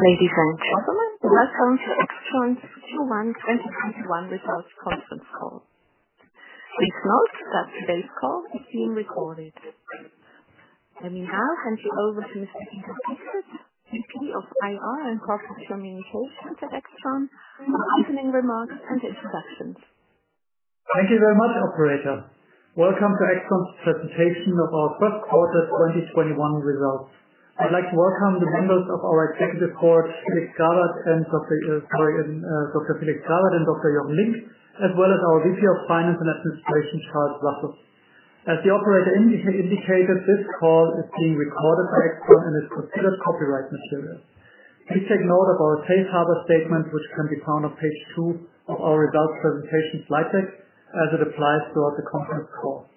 Ladies and gentlemen, welcome to AIXTRON's Q1 2021 Results Conference Call. Please note that today's call is being recorded. Let me now hand you over to Mr. Guido Pickert, VP of IR and Corporate Communications at AIXTRON, for opening remarks and introductions. Thank you very much, operator. Welcome to AIXTRON's presentation of our first quarter 2021 results. I'd like to welcome the members of our Executive Board, Dr. Felix Grawert and Dr. Jochen Linck, as well as our VP of Finance and Administration, Charles Russell. As the operator indicated, this call is being recorded by AIXTRON and is considered copyright material. Please take note of our safe harbor statement, which can be found on page two of our results presentation slide deck as it applies throughout the conference call.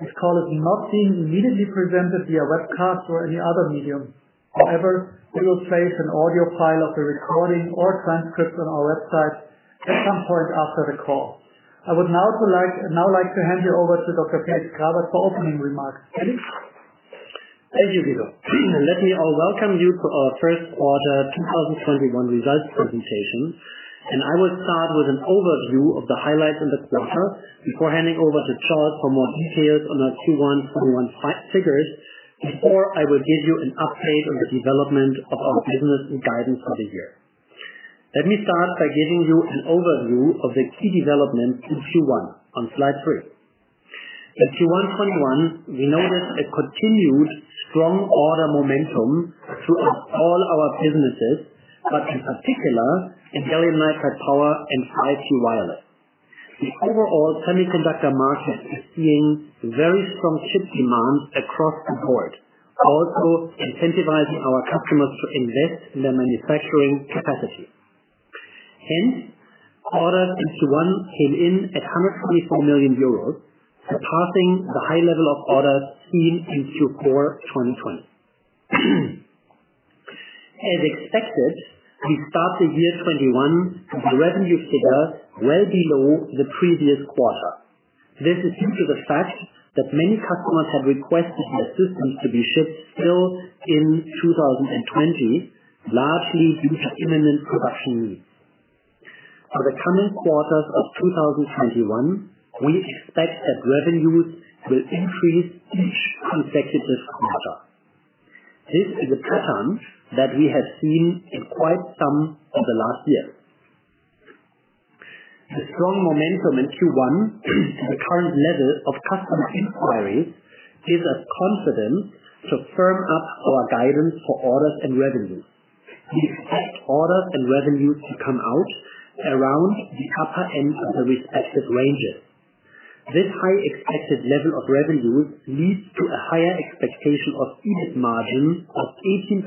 This call is not being immediately presented via webcast or any other medium. We will place an audio file of the recording or transcript on our website at some point after the call. I would now like to hand you over to Dr. Felix Grawert for opening remarks. Felix? Thank you, Guido. Let me welcome you to our first quarter 2021 results presentation, and I will start with an overview of the highlights in the quarter before handing over to Charles for more details on our Q1 2021 figures. Before, I will give you an update on the development of our business and guidance for the year. Let me start by giving you an overview of the key developments in Q1 on slide three. In Q1 2021, we noticed a continued strong order momentum throughout all our businesses, but in particular, in gallium nitride power and 5G wireless. The overall semiconductor market is seeing very strong chip demand across the board, also incentivizing our customers to invest in their manufacturing capacity. Hence, orders in Q1 came in at 124 million euros, surpassing the high level of orders seen in Q4 2020. As expected, we started year 2021 with revenue figures well below the previous quarter. This is due to the fact that many customers had requested their systems to be shipped still in 2020, largely due to imminent production needs. For the coming quarters of 2021, we expect that revenues will increase each consecutive quarter. This is a pattern that we have seen in quite some of the last years. The strong momentum in Q1 and the current level of customer inquiries gives us confidence to firm up our guidance for orders and revenues. We expect orders and revenues to come out around the upper end of the respective ranges. This high expected level of revenues leads to a higher expectation of EBIT margins of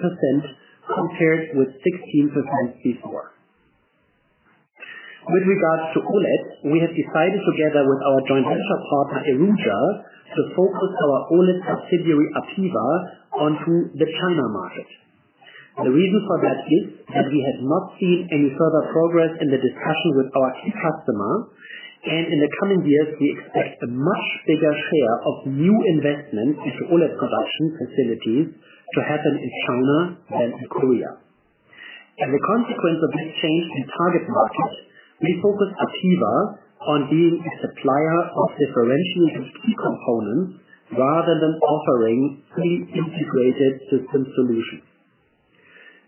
18%, compared with 16% before. With regards to OLED, we have decided together with our joint venture partner, IRUJA, to focus our OLED subsidiary, APEVA, onto the China market. The reason for that is that we have not seen any further progress in the discussions with our key customer, and in the coming years, we expect a much bigger share of new investments into OLED production facilities to happen in China than in Korea. As a consequence of this change in target market, we focus APEVA on being a supplier of differentiating key components rather than offering fully integrated system solutions.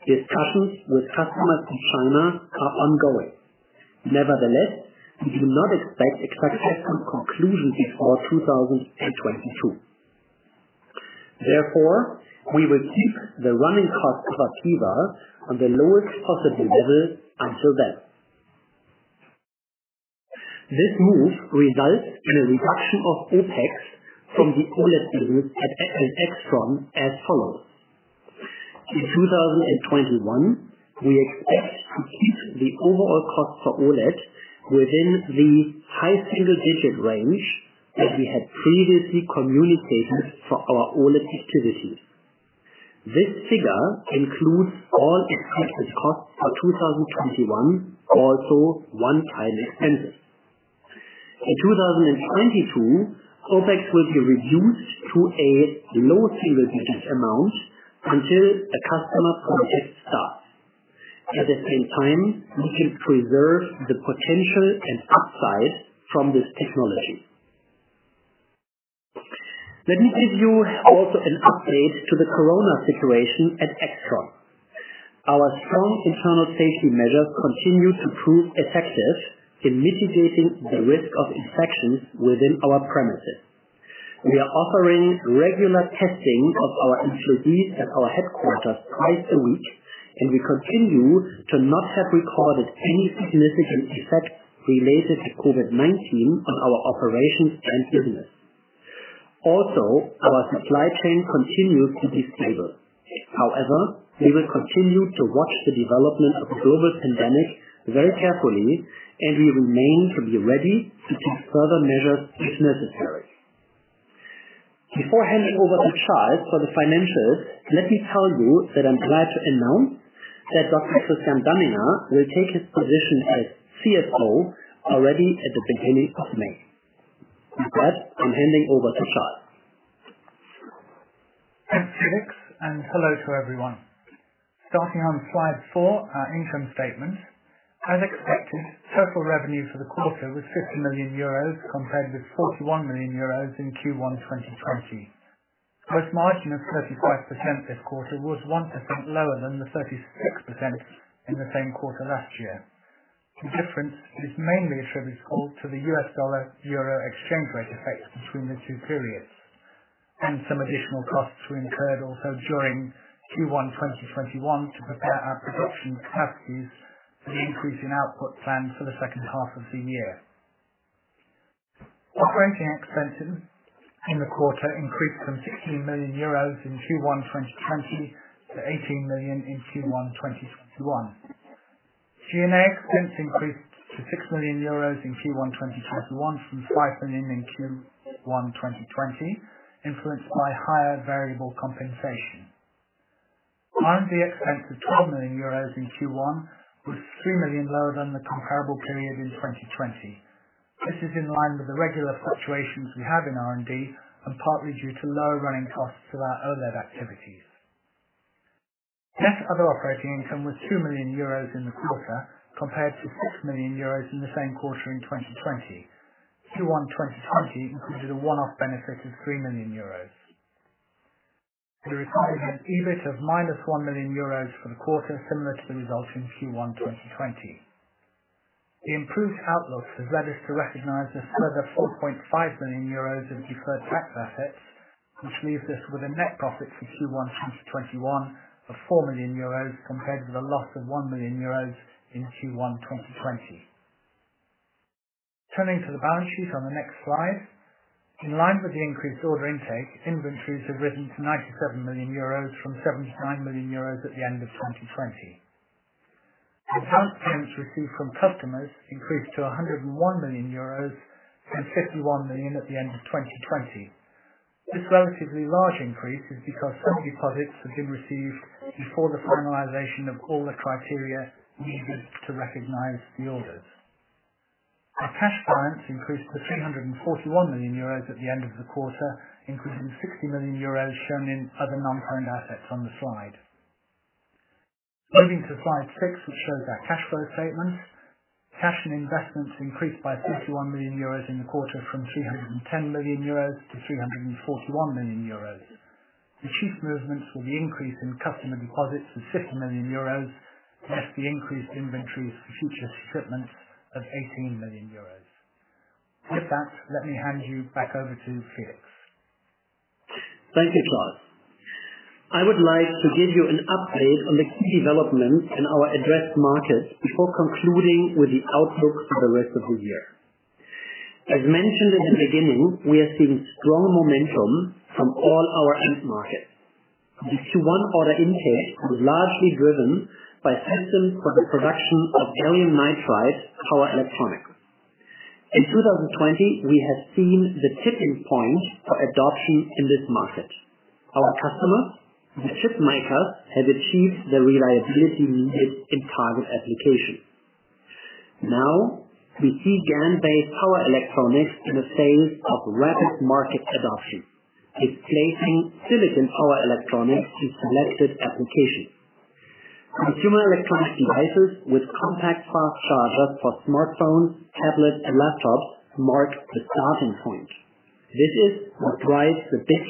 Discussions with customers in China are ongoing. Nevertheless, we do not expect a successful conclusion before 2022. Therefore, we will keep the running cost for APEVA on the lowest possible level until then. This move results in a reduction of OpEx from the OLED business at AIXTRON as follows. In 2021, we expect to keep the overall cost for OLED within the high single-digit range as we had previously communicated for our OLED activities. This figure includes all expected costs for 2021, also one-time expenses. In 2022, OpEx will be reduced to a low single-digit amount until a customer project starts. At the same time, we will preserve the potential and upside from this technology. Let me give you also an update to the corona situation at AIXTRON. Our strong internal safety measures continue to prove effective in mitigating the risk of infections within our premises. We are offering regular testing of our employees at our headquarters twice a week, and we continue to not have recorded any significant effect related to COVID-19 on our operations and business. Our supply chain continues to be stable. However, we will continue to watch the development of the global pandemic very carefully, and we remain to be ready to take further measures if necessary. Before handing over to Charles for the financials, let me tell you that I'm glad to announce that Dr. Christian Danninger will take his position as CFO already at the beginning of May. With that, I'm handing over to Charles. Thanks, Felix. Hello to everyone. Starting on slide four, our income statement. As expected, total revenue for the quarter was 50 million euros compared with 41 million euros in Q1 2020. Gross margin of 35% this quarter was 1% lower than the 36% in the same quarter last year. The difference is mainly attributable to the U.S. dollar-euro exchange rate effect between the two periods and some additional costs we incurred also during Q1 2021 to prepare our production capacities for the increase in output planned for the second half of the year. Operating expenses in the quarter increased from 16 million euros in Q1 2020 to 18 million in Q1 2021. G&A expense increased to 6 million euros in Q1 2021 from 5 million in Q1 2020, influenced by higher variable compensation. R&D expense of 12 million euros in Q1 was 2 million lower than the comparable period in 2020. This is in line with the regular fluctuations we have in R&D and partly due to lower running costs of our OLED activities. Net other operating income was 2 million euros in the quarter, compared to 6 million euros in the same quarter in 2020. Q1 2020 included a one-off benefit of 3 million euros. We recorded an EBIT of -1 million euros for the quarter, similar to the result in Q1 2020. The improved outlook has led us to recognize a further 4.5 million euros in deferred tax assets, which leaves us with a net profit for Q1 2021 of 4 million euros, compared to the loss of 1 million euros in Q1 2020. Turning to the balance sheet on the next slide. In line with the increased order intake, inventories have risen to 97 million euros from 79 million euros at the end of 2020. Advance payments received from customers increased to 101 million euros from 51 million at the end of 2020. This relatively large increase is because some deposits have been received before the finalization of all the criteria needed to recognize the orders. Our cash balance increased to 341 million euros at the end of the quarter, including 60 million euros shown in other non-current assets on the slide. Moving to slide six, which shows our cash flow statement. Cash and investments increased by 51 million euros in the quarter from 310 million euros to 341 million euros. The chief movements were the increase in customer deposits of 6 million euros, plus the increased inventories for future shipments of 18 million euros. With that, let me hand you back over to Felix. Thank you, Charles. I would like to give you an update on the key developments in our address markets before concluding with the outlook for the rest of the year. As mentioned in the beginning, we are seeing strong momentum from all our end markets. The Q1 order intake was largely driven by systems for the production of gallium nitride power electronics. In 2020, we have seen the tipping point for adoption in this market. Our customer, the chip maker, has achieved the reliability needed in target application. Now we see GaN-based Power Electronics in a phase of rapid market adoption, displacing silicon power electronics in selected applications. Consumer electronics devices with compact fast chargers for smartphones, tablets, and laptops mark the starting point. This is what drives the big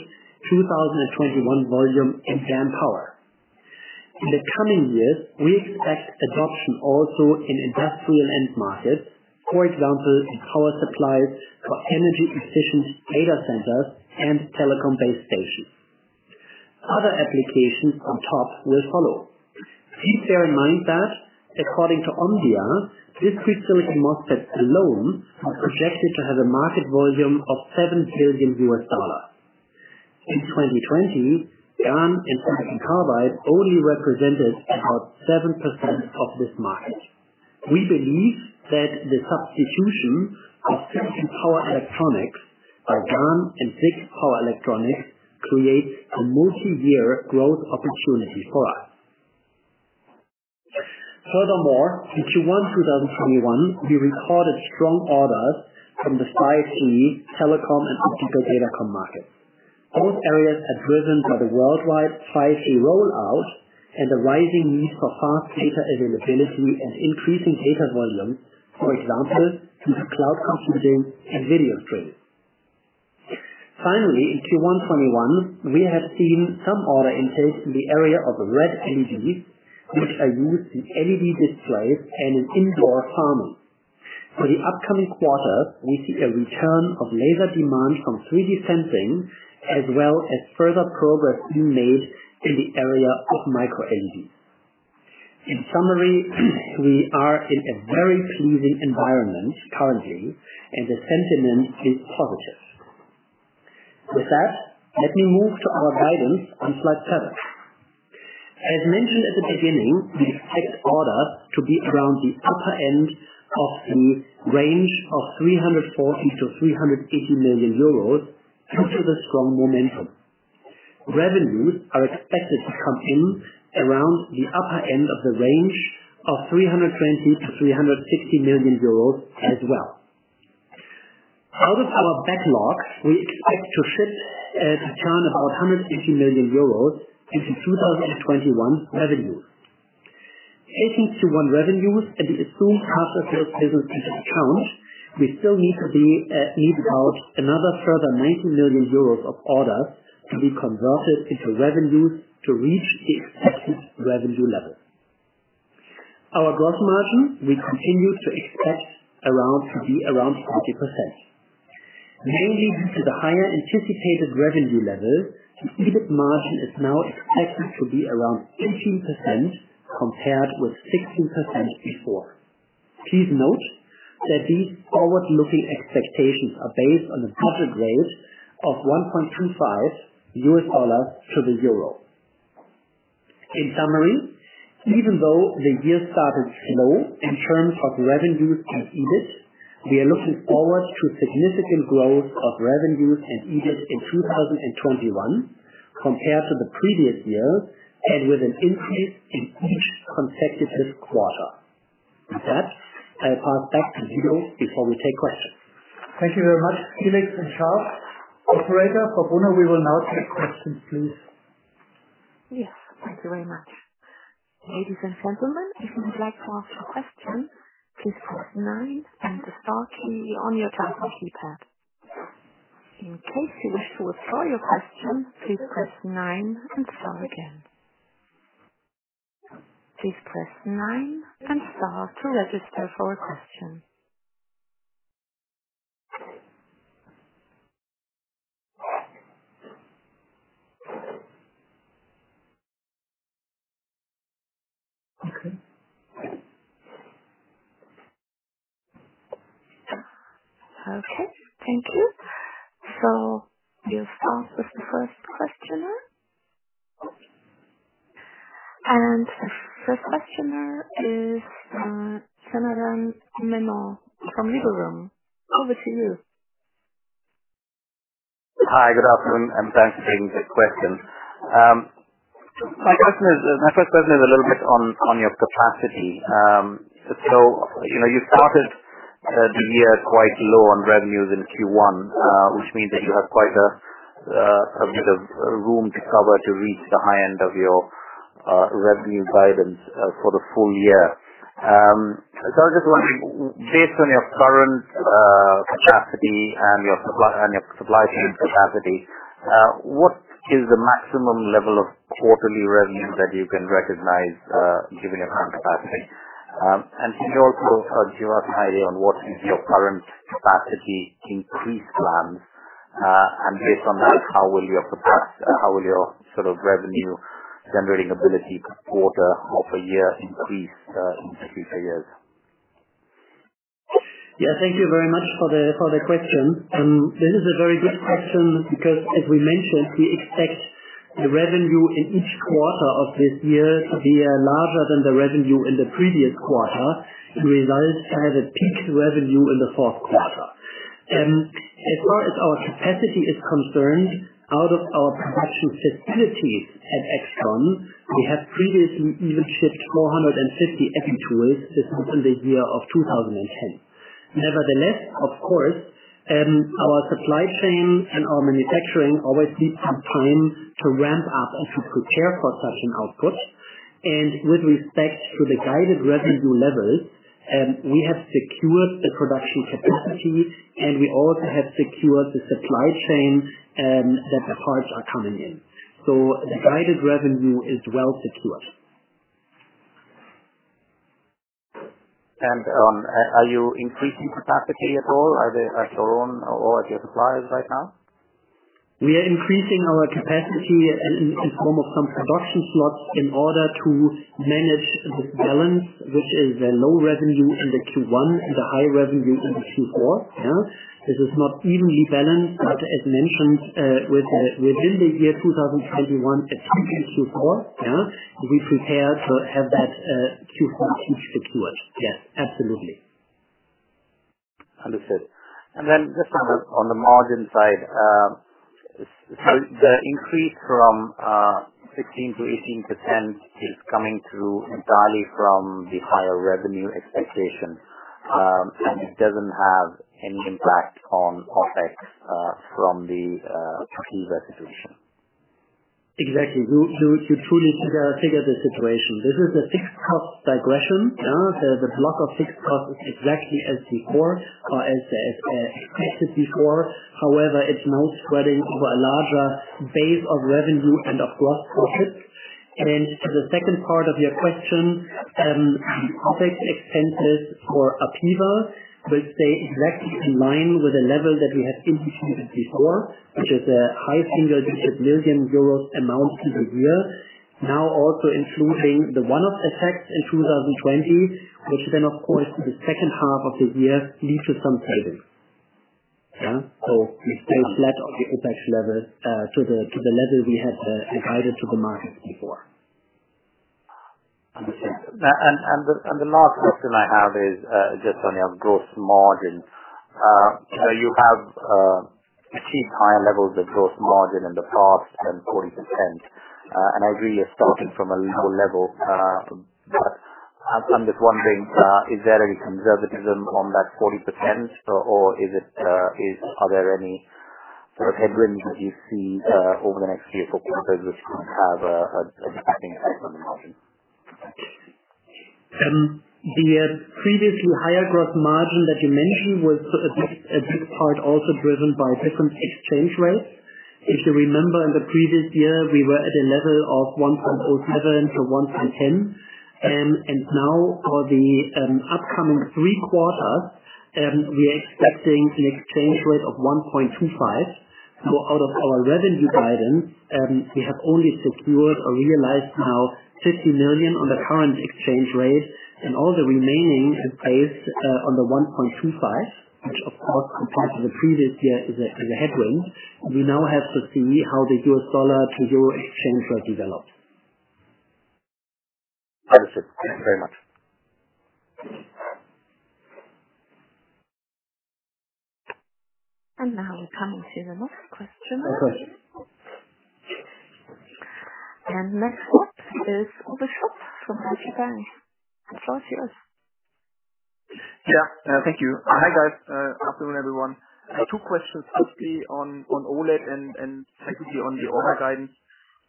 2021 volume in GaN power. In the coming years, we expect adoption also in industrial end markets. For example, in power supplies for energy efficient data centers and telecom base stations. Other applications on top will follow. Keep bear in mind that according to Omdia, discrete silicon MOSFETs alone are projected to have a market volume of $7 billion. In 2020, GaN and silicon carbide only represented about 7% of this market. We believe that the substitution of Silicon Power Electronics by GaN and SiC Power Electronics creates a multiyear growth opportunity for us. Furthermore, in Q1 2021, we recorded strong orders from the 5G telecom and computer data comm market. Both areas are driven by the worldwide 5G rollout and the rising need for fast data availability and increasing data volumes. For example, through cloud computing and video streaming. Finally, in Q1 2021, we have seen some order intakes in the area of red LEDs, which are used in LED displays and in indoor farming. For the upcoming quarters, we see a return of laser demand from 3D sensing, as well as further progress being made in the area of Micro LED. In summary, we are in a very pleasing environment currently, and the sentiment is positive. With that, let me move to our guidance on slide seven. As mentioned at the beginning, we expect orders to be around the upper end of the range of 340 million-380 million euros due to the strong momentum. Revenues are expected to come in around the upper end of the range of 320 million-360 million euros as well. Out of our backlog, we expect to ship and to turn about 150 million euros into 2021 revenues. Taking Q1 revenues and the assumed half of those business taken into account, we still need about another further 90 million euros of orders to be converted into revenues to reach the expected revenue level. Our gross margin, we continue to expect to be around 40%. Mainly due to the higher anticipated revenue level, the EBIT margin is now expected to be around 18%, compared with 16% before. Please note that these forward-looking expectations are based on a current rate of 1.25 US dollar to the euro. In summary, even though the year started slow in terms of revenues and EBIT, we are looking forward to significant growth of revenues and EBIT in 2021 compared to the previous year, and with an increase in each consecutive quarter. With that, I'll pass back to Guido before we take questions. Thank you very much, Felix and Charles. Operator, we will now take questions, please. Yes, thank you very much. Ladies and gentlemen, if you would like to ask a question, please press nine and the star key on your telephone keypad. please press nine and star again. Please press nine and star to register for a question. Okay. Okay, thank you. We'll start with the first questioner. The first questioner is Janardan Menon from Liberum. Over to you. Hi, good afternoon. Thanks for taking the question. My first question is a little bit on your capacity. You started the year quite low on revenues in Q1, which means that you have quite a bit of room to cover to reach the high end of your revenue guidance for the full year. I was just wondering, based on your current capacity and your supply chain capacity, what is the maximum level of quarterly revenue that you can recognize, given your current capacity? Can you also give us an idea on what is your current capacity increase plan? Based on that, how will your revenue generating ability quarter-over-year increase in the future years? Thank you very much for the question. This is a very good question because, as we mentioned, we expect the revenue in each quarter of this year to be larger than the revenue in the previous quarter, and we will have a peak revenue in the fourth quarter. As far as our capacity is concerned, out of our production facilities at AIXTRON, we have previously even shipped 450 epi tools just within the year of 2010. Nevertheless, of course, our supply chain and our manufacturing always need some time to ramp up and to prepare for such an output. With respect to the guided revenue levels, we have secured the production capacity, and we also have secured the supply chain that the parts are coming in. The guided revenue is well secured. Are you increasing capacity at all at your own or at your suppliers right now? We are increasing our capacity in form of some production slots in order to manage this balance, which is a low revenue in the Q1 and a high revenue in the Q4. This is not evenly balanced, but as mentioned, within the year 2021, especially Q4, we prepare to have that Q4 peak secured. Yes, absolutely. Understood. Just on the margin side. The increase from 16% to 18% is coming through entirely from the higher revenue expectations, and it doesn't have any impact on OpEx from the APEVA situation? Exactly. You truly figured the situation. This is a fixed cost regression. The block of fixed cost is exactly as expected before. It's now spreading over a larger base of revenue and of gross profit. To the second part of your question, the OpEx expenses for APEVA will stay exactly in line with the level that we had indicated before, which is a high single-digit million euro amount to the year. Also including the one-off effects in 2020, which then, of course, in the second half of the year lead to some savings. We stay flat on the OpEx level to the level we had guided to the market before. Understood. The last question I have is just on your gross margin. You have achieved higher levels of gross margin in the past than 40%, and I agree you're starting from a low level, I'm just wondering, is there any conservatism on that 40%, or are there any sort of headwinds that you see over the next year for which can have a depressing effect on the margin? Thank you. The previously higher gross margin that you mentioned was a big part also driven by different exchange rates. If you remember, in the previous year, we were at a level of $1.07-$1.10. Now for the upcoming three quarters, we are expecting an exchange rate of $1.25. Out of our revenue guidance, we have only secured or realized now 50 million on the current exchange rate and all the remaining is based on the $1.25, which of course, compared to the previous year is a headwind. We now have to see how the euro-dollar to euro exchange will develop. Understood. Thank you very much. Now we come to the next question. Okay. Next up is Uwe Schupp from Deutsche Bank. The floor is yours. Yeah. Thank you. Hi, guys. Afternoon, everyone. Two questions, quickly on OLED and secondly, on the order guidance.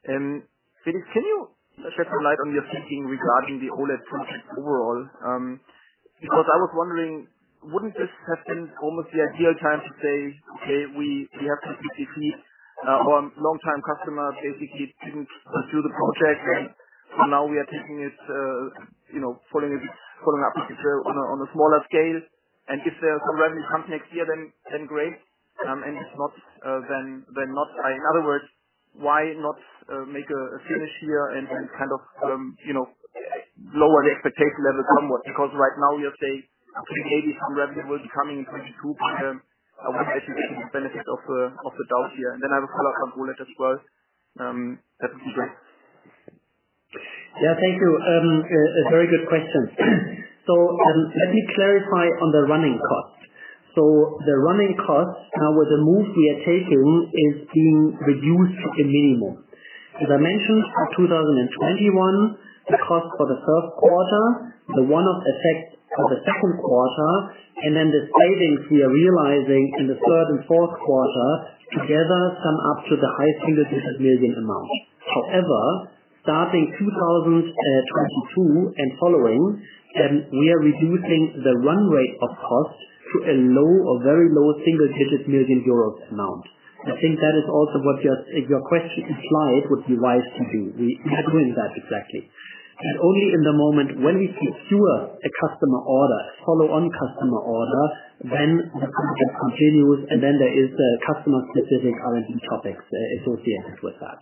Felix, can you shed some light on your thinking regarding the OLED project overall? I was wondering, wouldn't this have been almost the ideal time to say, "Okay, we have to admit defeat?" Our longtime customer basically didn't do the project. Now we are taking it, following up on a smaller scale. If some revenue comes next year, then great. If not, then not. In other words, why not make a finish here and then kind of lower the expectation level somewhat? Right now you're saying maybe some revenue will be coming in 2022, but I would like to get the benefit of the doubt here. I have a follow-up on OLED as well. That would be great. Yeah, thank you. A very good question. Let me clarify on the running cost. The running cost, now with the move we are taking, is being reduced to a minimum. As I mentioned, for 2021, the cost for the first quarter, the one-off effect for the second quarter, and then the savings we are realizing in the third and fourth quarter together sum up to the high single-digit million euro amount. However, starting 2022 and following, we are reducing the run rate of cost to a low or very low single-digit million euro amount. I think that is also what your question implied would be wise to do. We are doing that exactly. Only in the moment when we secure a customer order, a follow-on customer order, then the project continues, and then there is customer-specific R&D topics associated with that.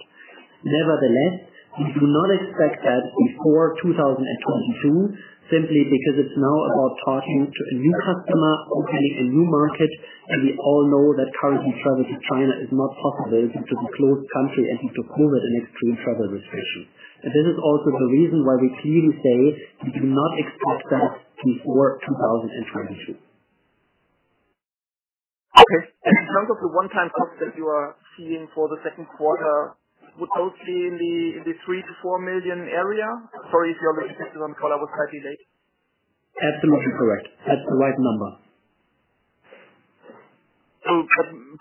Nevertheless, we do not expect that before 2022, simply because it's now about talking to a new customer, opening a new market, we all know that currently travel to China is not possible due to the closed country and due to COVID and extreme travel restrictions. This is also the reason why we clearly say we do not expect that before 2022. Okay. In terms of the one-time cost that you are seeing for the second quarter, would that be in the 3 million-4 million area? Sorry if your logistics on call, I was slightly late. Absolutely correct. That's the right number. It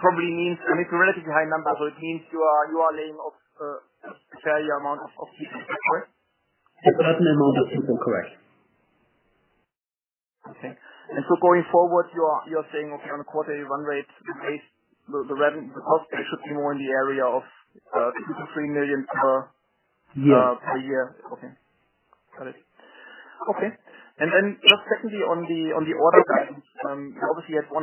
probably means it's a relatively high number, but it means you are laying off a fair amount of people, correct? The bottom amount is super correct. Okay. Going forward, you're saying, okay, on a quarterly run rate, the cost there should be more in the area of 2 million-3 million. Year. -per year. Okay. Got it. Okay. Just secondly, on the order guidance, you obviously had 125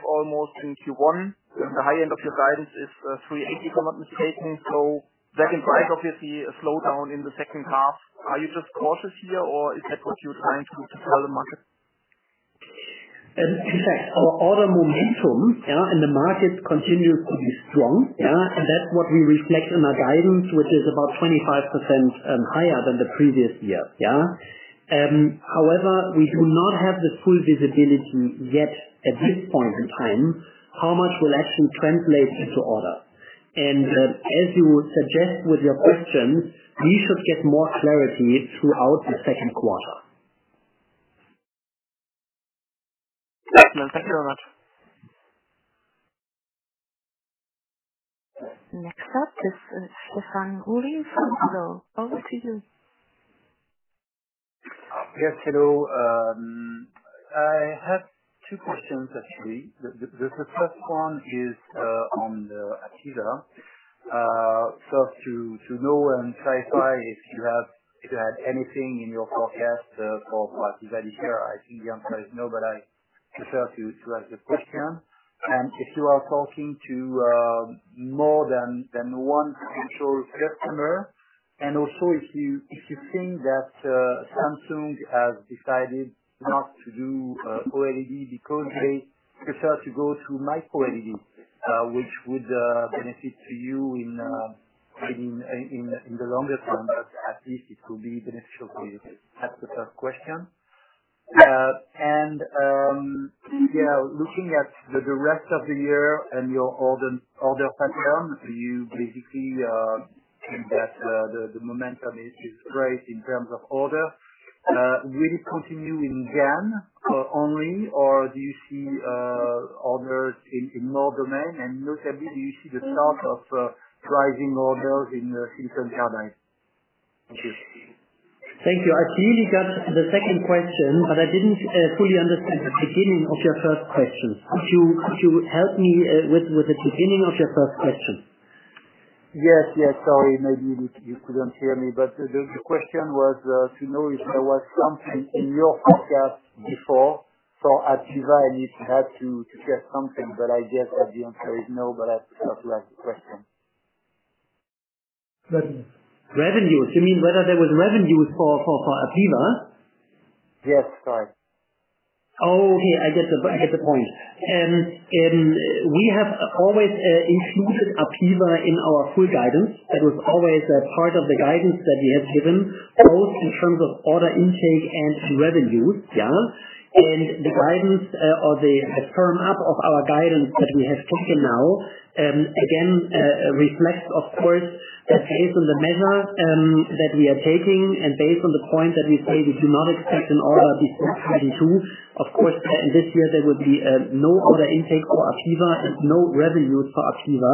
almost in Q1. The high end of your guidance is 380, if I am not mistaken. That implies, obviously, a slowdown in the second half. Are you just cautious here, or is that what you are trying to tell the market? In fact, our order momentum in the market continues to be strong. That's what we reflect in our guidance, which is about 25% higher than the previous year. However, we do not have the full visibility yet at this point in time, how much will actually translate into orders. As you suggest with your question, we should get more clarity throughout the second quarter. Excellent. Thank you very much. Next up is Stéphane Houri from ODDO BHF. Over to you. Yes, hello. I have two questions, actually. The first one is on the APEVA. To know and clarify if you have anything in your forecast for what is added here. I think the answer is no, but I prefer to ask the question. If you are talking to more than one potential customer, and also if you think that Samsung has decided not to do OLED because they prefer to go to Micro LED, which would benefit to you in the longer term, but at least it could be beneficial for you. That's the first question. Looking at the rest of the year and your order pattern, do you basically think that the momentum is right in terms of order? Will it continue in GaN only, or do you see orders in more demand, and notably, do you see the start of driving orders in silicon carbide? Thank you. Thank you. I clearly got the second question. I didn't fully understand the beginning of your first question. Could you help me with the beginning of your first question? Yes. Sorry. Maybe you couldn't hear me, but the question was to know if there was something in your forecast before for APEVA, and if you had to suggest something. I guess the answer is no. I'd still like the question. Revenues. You mean whether there was revenues for APEVA? Yes, sorry. Oh, yeah, I get the point. We have always included APEVA in our full guidance. That was always a part of the guidance that we have given, both in terms of order intake and revenues. The guidance or the firm-up of our guidance that we have given now, again, reflects, of course, that based on the measures that we are taking and based on the point that we say we do not expect an order this 2022. Of course, this year there will be no order intake for APEVA and no revenues for APEVA.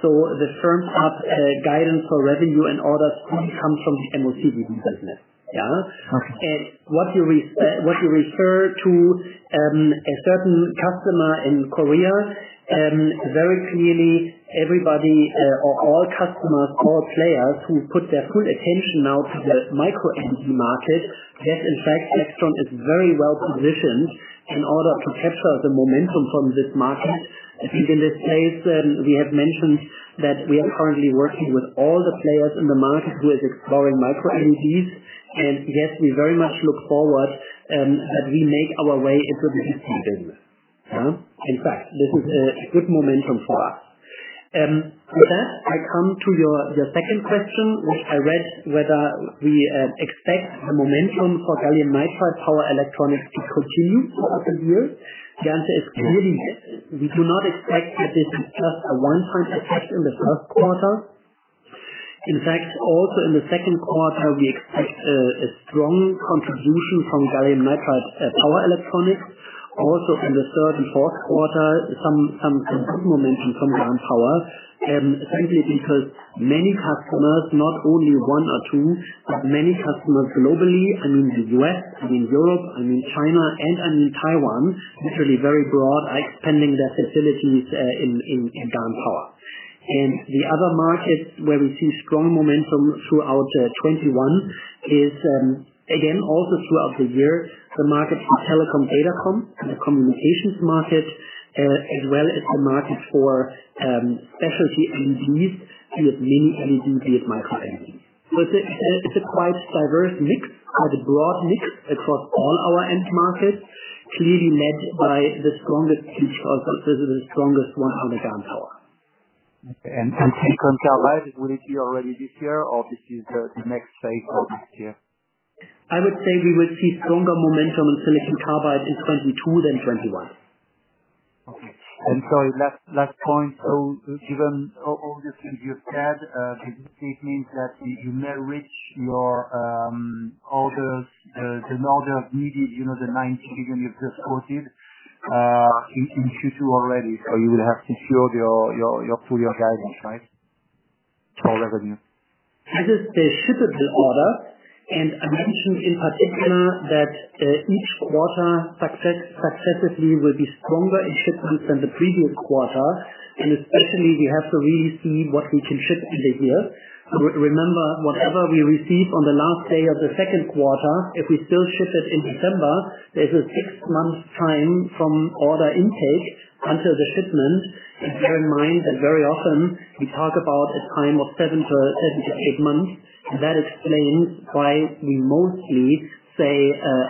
The firm-up guidance for revenue and orders only come from the MOCVD business. Okay. What you refer to a certain customer in Korea, very clearly everybody or all customers, all players who put their full attention now to the Micro LED market, that in fact AIXTRON is very well positioned in order to capture the momentum from this market. I think in this case, we have mentioned that we are currently working with all the players in the market who are exploring Micro LEDs. Yes, we very much look forward as we make our way into the In fact, this is a good momentum for us. With that, I come to your second question, which I read whether we expect the momentum for gallium nitride power electronics to continue for the coming years. The answer is clearly yes. We do not expect that this is just a one-time effect in the first quarter. In fact, also in the second quarter, we expect a strong contribution from gallium nitride power electronics. Also in the third and fourth quarter, some good momentum from GaN power, simply because many customers, not only one or two, but many customers globally, I mean the U.S., I mean Europe, I mean China, and I mean Taiwan, literally very broad, are expanding their facilities in GaN power. The other markets where we see strong momentum throughout 2021 is, again, also throughout the year, the market for telecom data comm and the communications market, as well as the market for specialty LEDs, be it Mini-LED, be it Micro LED. It's a quite diverse mix and a broad mix across all our end markets, clearly led by the strongest one, which also is the strongest one on the GaN power. Silicon carbide, will it be already this year, or this is the next phase for next year? I would say we will see stronger momentum on silicon carbide in 2022 than 2021. Okay. Sorry, last point. Given all the things you said, this means that you may reach your orders, the orders needed, the 90 million you just quoted, in Q2 already. You will have secured your full year guidance, right? For revenue. This is the shippable order, and I mentioned in particular that each quarter successively will be stronger in shipments than the previous quarter. Especially, we have to really see what we can ship in the year. Remember, whatever we receive on the last day of the second quarter, if we still ship it in December, there's a six-month time from order intake until the shipment. Bear in mind that very often we talk about a time of seven to eight months. That explains why we mostly say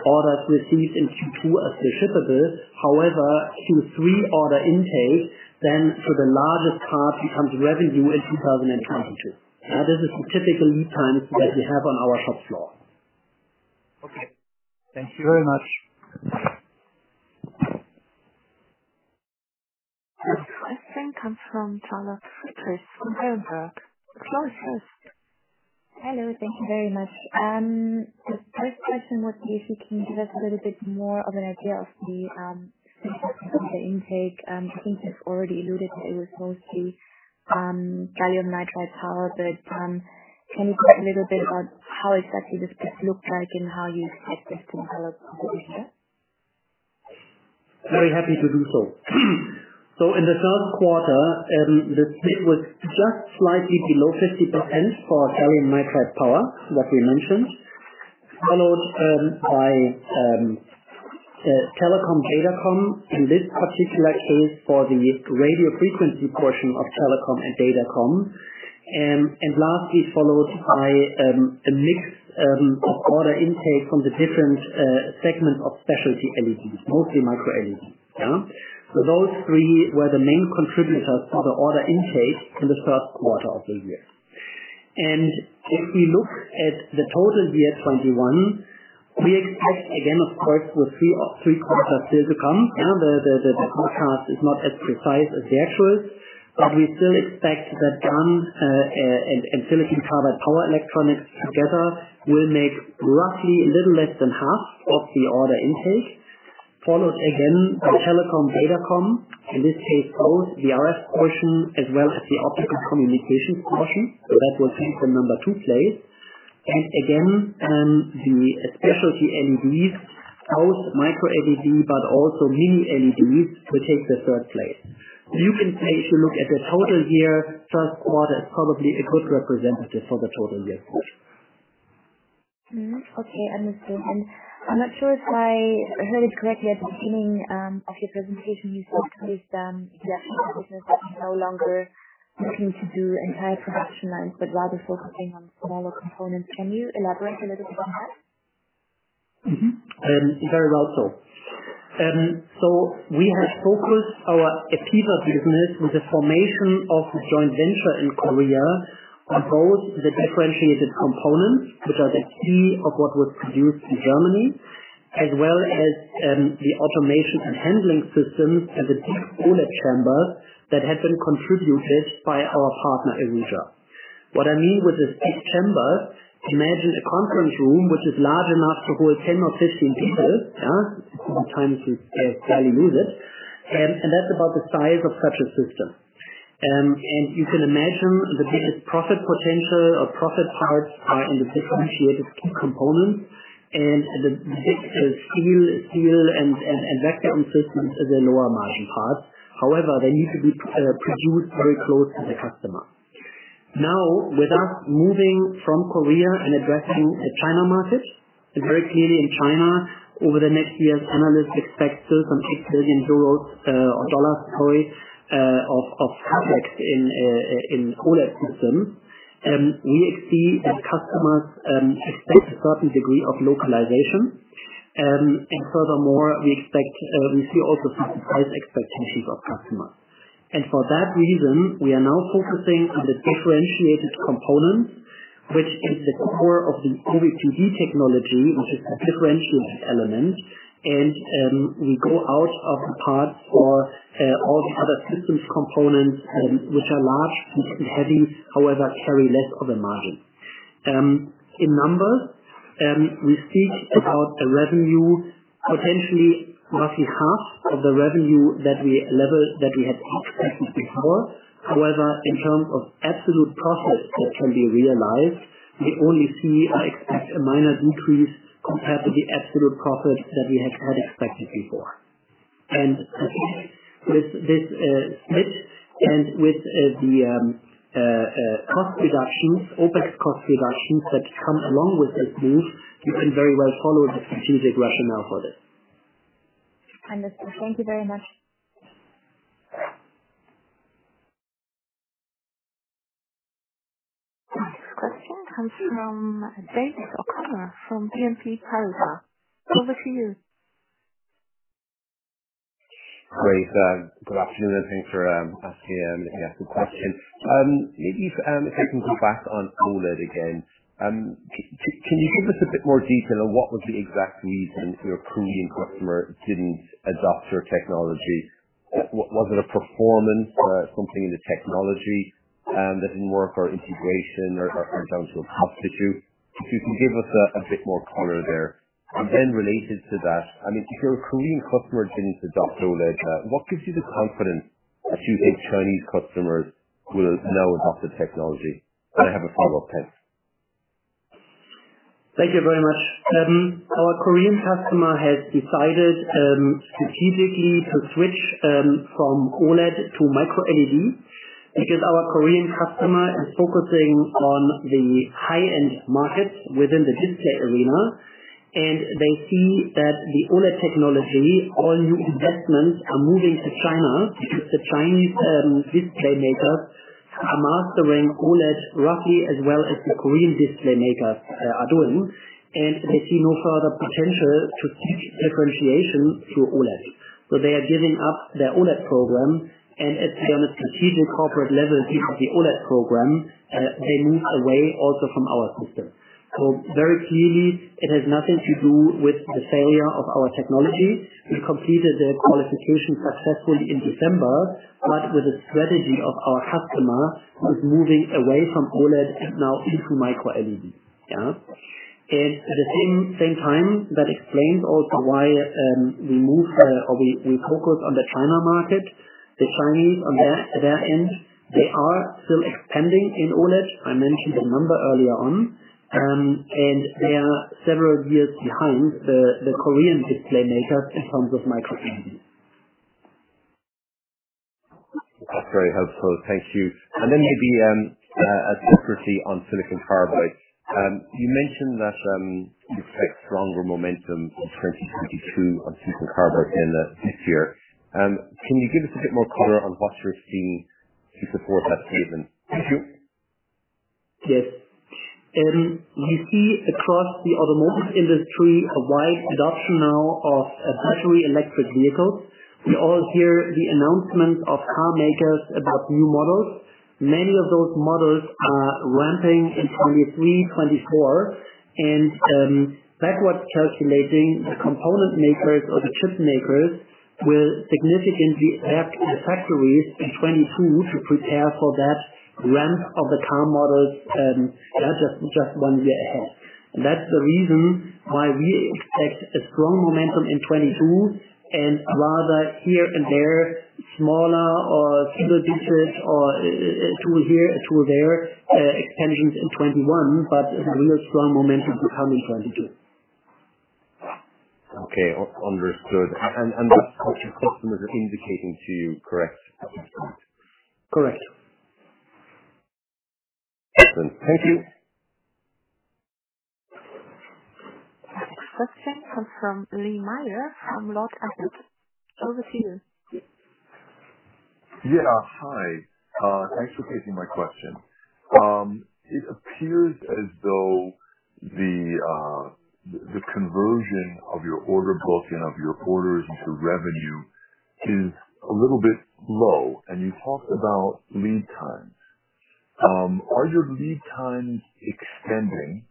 orders received in Q2 are shippable. However, Q3 order intake then for the largest part becomes revenue in 2022. That is the typical lead times that we have on our shop floor. Okay. Thank you very much. The next question comes from Charlotte Friedrichs from Berenberg. Charlotte, please. Hello. Thank you very much. The first question was if you can give us a little bit more of an idea of the split of the order intake. I think you've already alluded that it was mostly gallium nitride power. Can you talk a little bit about how exactly this looks like and how you expect this to develop over the year? Very happy to do so. In the first quarter, the split was just slightly below 50% for gallium nitride power, what we mentioned. Followed by telecom/datacom in this particular case for the radio frequency portion of telecom and datacom. Lastly followed by a mixed order intake from the different segments of specialty LEDs, mostly Micro LED. Those three were the main contributors for the order intake in the first quarter of the year. If we look at the total year 2021, we expect again, of course, with three quarters still to come. The forecast is not as precise as the actual, but we still expect that GaN and silicon carbide power electronics together will make roughly a little less than half of the order intake, followed again by telecom/datacom, in this case, both the RF portion as well as the optical communications portion. That will come from number two place. Again, the specialty LEDs, both Micro LED, but also Mini-LEDs, will take the third place. You can say, if you look at the total year, first quarter is probably a good representative for the total year. Okay, understood. I'm not sure if I heard it correctly. At the beginning of your presentation, you said with the APEVA business that you're no longer looking to do entire production lines, but rather focusing on smaller components. Can you elaborate a little on that? Very well so. We had focused our APEVA business with the formation of the joint venture in Korea on both the differentiated components, which are the key of what was produced in Germany, as well as the automation and handling systems and the big OLED chambers that had been contributed by our partner, IRUJA. What I mean with this big chamber, imagine a conference room, which is large enough to hold 10 or 15 people. Sometimes we barely use it. That's about the size of such a system. You can imagine the biggest profit potential or profit parts are in the differentiated key components and the big steel and vacuum systems are the lower margin parts. However, they need to be produced very close to the customer. Now, with us moving from Korea and addressing the China market, very clearly in China over the next years, analysts expect still some $8 billion sorry, of CapEx in OLED systems. We see that customers expect a certain degree of localization. Furthermore, we see also some price expectations of customers. For that reason, we are now focusing on the differentiated components, which is the core of the OVPD technology, which is a differentiated element, and we go out of the parts for all the other systems components, which are large and heavy, however, carry less of a margin. In numbers, we speak about a revenue potentially roughly half of the revenue level that we had expected before. However, in terms of absolute profit that can be realized, we only see or expect a minor decrease compared to the absolute profit that we had expected before. Again, with this split and with the cost reductions, OpEx cost reductions that come along with this move, you can very well follow the strategic rationale for this. Understood. Thank you very much. Next question comes from David O'Connor from BNP Paribas. Over to you. Great. Good afternoon, thanks for asking the question. If we can go back on OLED again. Can you give us a bit more detail on what was the exact reason your Korean customer didn't adopt your technology? Was it a performance or something in the technology that didn't work, or integration or down to a substitute? If you can give us a bit more color there. Related to that, if your Korean customer didn't adopt OLED, what gives you the confidence that your Chinese customers will now adopt the technology? I have a follow-up, thanks. Thank you very much. Our Korean customer has decided strategically to switch from OLED to Micro LED, because our Korean customer is focusing on the high-end markets within the display arena. They see that the OLED technology, all new investments are moving to China because the Chinese display makers are mastering OLED roughly as well as the Korean display makers are doing. They see no further potential to seek differentiation through OLED. They are giving up their OLED program. As they are on a strategic corporate level, giving up the OLED program, they move away also from our system. Very clearly, it has nothing to do with the failure of our technology. We completed the qualification successfully in December, but with the strategy of our customer, who is moving away from OLED now into Micro LED. Yeah. At the same time, that explains also why we move or we focus on the China market. The Chinese on their end, they are still expanding in OLED. I mentioned a number earlier on, and they are several years behind the Korean display makers in terms of Micro LED. That's very helpful. Thank you. Maybe, separately on silicon carbide. You mentioned that you expect stronger momentum in 2022 on silicon carbide in this year. Can you give us a bit more color on what you're seeing to support that statement? Thank you. We see across the automotive industry a wide adoption now of battery electric vehicles. We all hear the announcements of car makers about new models. Many of those models are ramping in 2023, 2024, and backwards calculating, the component makers or the chip makers will significantly ramp their factories in 2022 to prepare for that ramp of the car models that are just one year ahead. That's the reason why we expect a strong momentum in 2022 and rather here and there, smaller or single digits or a tool here, a tool there, expansions in 2021, but a real strong momentum to come in 2022. Okay. Understood. That's what your customers are indicating to you, correct, at this point? Correct. Excellent. Thank you. The next question comes from Lee Meyer from Lord Abbett. Over to you. Yeah. Hi. Thanks for taking my question. It appears as though the conversion of your order book and of your orders into revenue is a little bit low, and you talked about lead times. Are your lead times extending,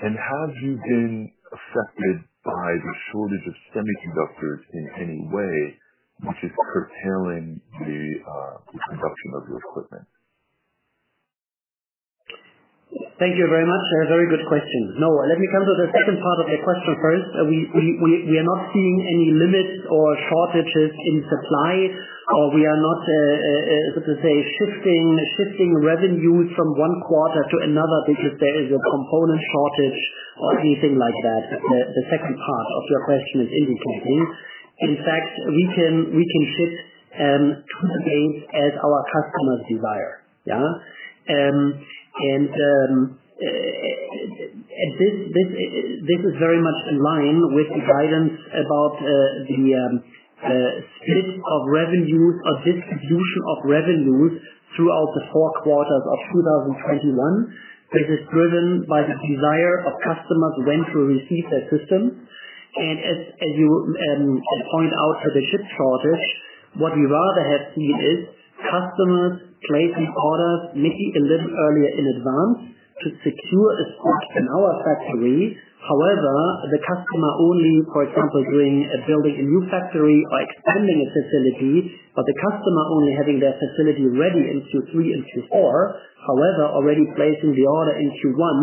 and have you been affected by the shortage of semiconductors in any way, which is curtailing the production of your equipment? Thank you very much. A very good question. No, let me come to the second part of your question first. We are not seeing any limits or shortages in supply, or we are not, so to say, shifting revenue from one quarter to another because there is a component shortage or anything like that. The second part of your question is indicating. In fact, we can ship to the date as our customers desire. Yeah. This is very much in line with the guidance about the split of revenues or distribution of revenues throughout the four quarters of 2021. This is driven by the desire of customers when to receive their system. As you point out for the chip shortage, what we rather have seen is customers placing orders maybe a little earlier in advance to secure a spot in our factory. However, the customer only, for example, building a new factory or expanding a facility, but the customer only having their facility ready in Q3 and Q4, however, already placing the order in Q1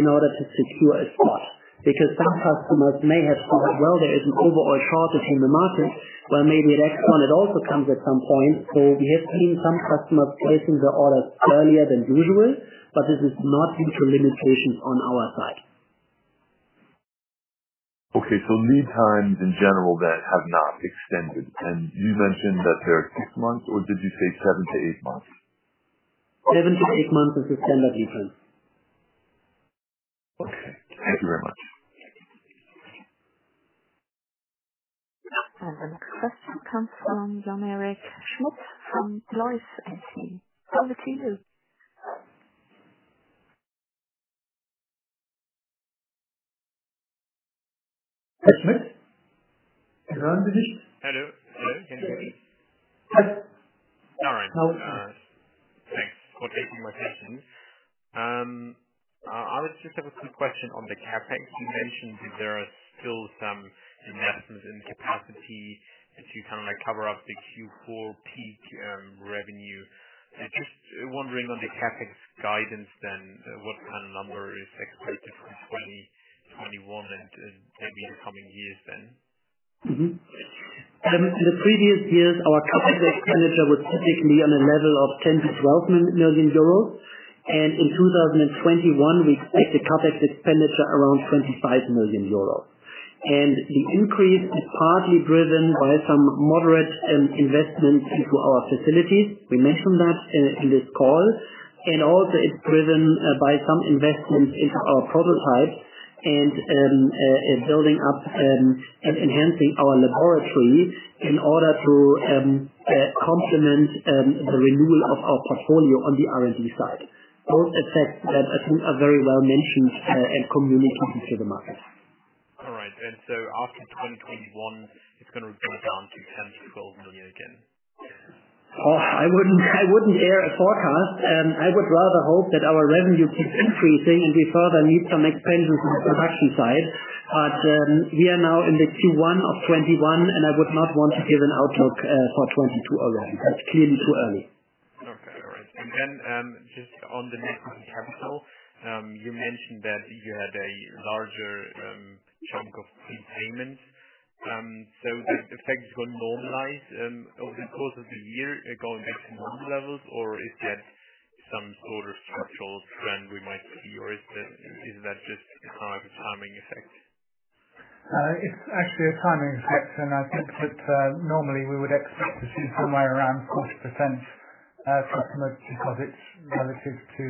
in order to secure a spot. Because some customers may have thought, "Well, there is an overall shortage in the market, well, maybe AIXTRON it also comes at some point." We have seen some customers placing their orders earlier than usual, but this is not due to limitations on our side. Okay. Lead times in general then have not extended. You mentioned that they're six months, or did you say seven to eight months? Seven to eight months is the standard lead time. Okay. Thank you very much. The next question comes from Jan-Erik Schmidt from Loys AG. Over to you. Hey, Schmidt. Can you hear me? Hello. Hello. Can you hear me? Hi. All right. Thanks for taking my question. I just have a quick question on the CapEx you mentioned, that there are still some investments in capacity that you cover up the Q4 peak revenue. Just wondering on the CapEx guidance then, what kind of number is expected for 2021 and maybe in the coming years then? In the previous years, our CapEx expenditure was typically on a level of 10 million-12 million euros. In 2021, we expect the CapEx expenditure around 25 million euros. The increase is partly driven by some moderate investments into our facilities. We mentioned that in this call, and also it's driven by some investments into our prototypes and building up and enhancing our laboratory in order to complement the renewal of our portfolio on the R&D side. Both assets that I think are very well mentioned and communicated to the market. All right. After 2021, it's going to go down to 10 million-12 million again? I wouldn't air a forecast. I would rather hope that our revenue keeps increasing and we further need some expansion on the production side. We are now in the Q1 of 2021, and I would not want to give an outlook for 2022 already. That's clearly too early. Okay. All right. Then just on the net working capital, you mentioned that you had a larger chunk of prepayment. The effect is going to normalize over the course of the year going back to normal levels? Is that some sort of structural trend we might see? Is that just kind of a timing effect? It's actually a timing effect, and I think that normally we would expect to see somewhere around 40% customer deposits relative to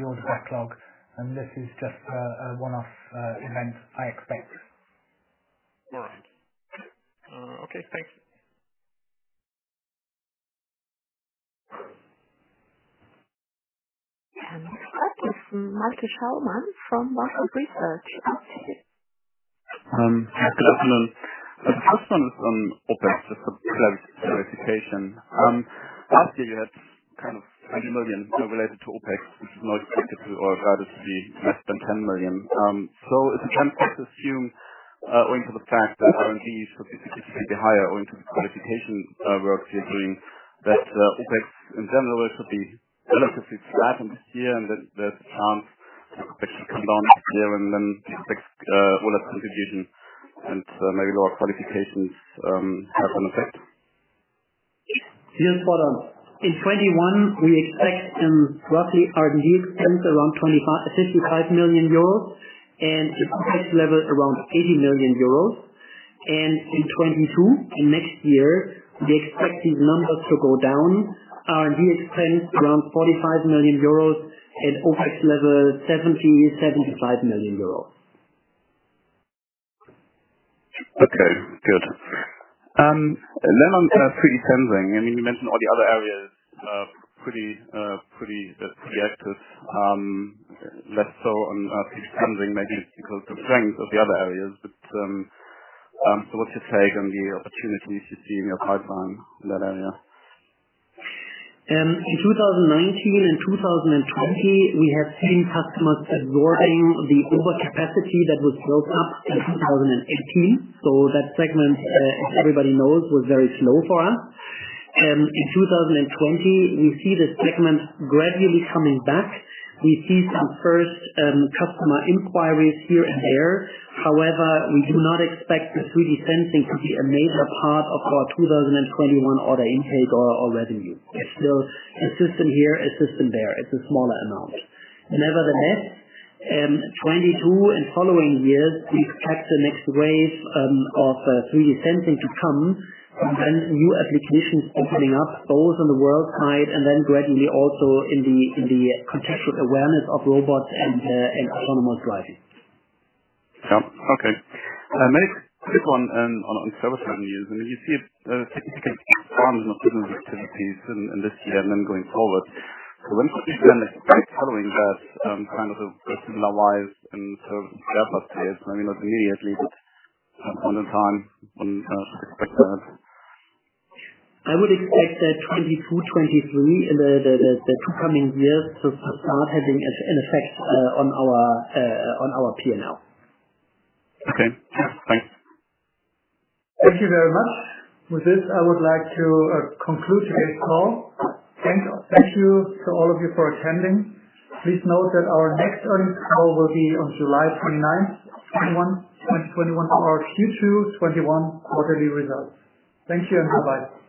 the order backlog, and this is just a one-off event, I expect. All right. Okay, thanks. The next question is from Malte Schaumann from Warburg Research. Good afternoon. The first one is on OpEx, just for clarification. Last year you had kind of 80 million related to OpEx, which is now expected to, or rather to be less than 10 million. Is it fair to assume, owing to the fact that R&D should be significantly higher owing to the qualification work you're doing, that OpEx in general should be relatively flat in this year and that should come down every year and then OpEx, OLED contribution and maybe lower qualifications, have an effect? Yes, Malte. In 2021, we expect roughly R&D expense around 55 million euros and OpEx level around 80 million euros. In 2022, in next year, we expect these numbers to go down. R&D expense around 45 million euros and OpEx level 70 million-75 million euros. Okay, good. On 3D sensing, you mentioned all the other areas are pretty active, less so on 3D sensing. Maybe it's because of the strength of the other areas. What's your take on the opportunities you see in your pipeline in that area? In 2019 and 2020, we have seen customers absorbing the overcapacity that was built up in 2018. That segment, as everybody knows, was very slow for us. In 2020, we see the segment gradually coming back. We see some first customer inquiries here and there. However, we do not expect the 3D sensing to be a major part of our 2021 order intake or revenue. It's still a system here, a system there. It's a smaller amount. Nevertheless, 2022 and following years, we expect the next wave of 3D sensing to come and new applications opening up, both on the world side and then gradually also in the contextual awareness of robots and autonomous driving. Yeah. Okay. Maybe a quick one on service revenues. You see a significant in the business activities in this year and then going forward. When could we then expect following that, kind of a similar rise in service revenue? Maybe not immediately, but on the time when you expect that. I would expect that 2022, 2023, the two coming years to start having an effect on our P&L. Okay. Thanks. Thank you very much. With this, I would like to conclude today's call. Thank you to all of you for attending. Please note that our next earnings call will be on July 29th, 2021 for our Q2 2021 quarterly results. Thank you and goodbye.